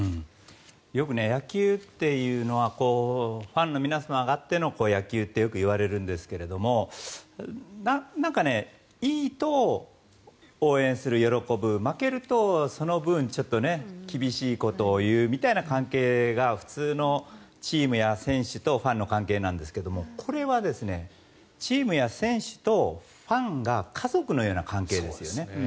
よく野球っていうのはファンの皆様があっての野球ってよく言われるんですけどもなんか、いいと応援する、喜ぶ負けると、その分厳しいことを言うみたいな関係が普通のチームや選手とファンの関係なんですけどこれはチームや選手とファンが家族のような関係ですよね。